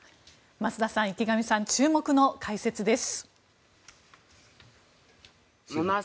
増田さん、池上さん注目の解説です。